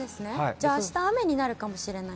じゃあ、あした雨になるかもしれない？